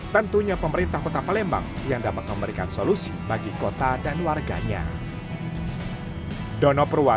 tentunya pemerintah kota palembang yang dapat memberikan solusi bagi kota dan warganya